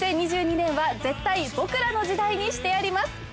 ２０２２年は絶対ボクらの時代にしてやります。